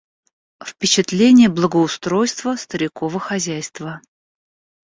Впечатление благоустройства старикова хозяйства.